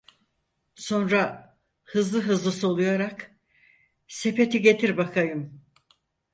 Sonra hızlı hızlı soluyarak: "Sepeti getir bakayım!"